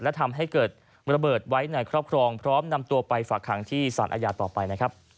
และทำให้เกิดระเบิดไว้ในครอบครองพร้อมนำตัวไปฝากหางที่สารอาญาต่อไปนะครับ